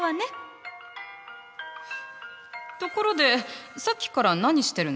ところでさっきから何してるの？